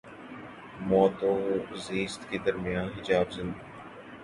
موت و زیست کے درمیاں حجاب زندگی